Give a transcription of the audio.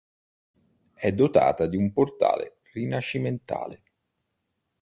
È dotata di un portale rinascimentale.